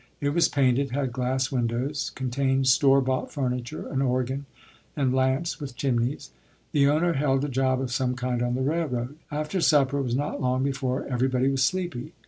It was painted, had glass windows, contained "store bought" furniture, an organ, and lamps with chimneys. The owner held a job of some kind on the railroad. After supper it was not long before everybody was sleepy.